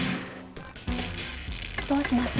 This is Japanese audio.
どうします？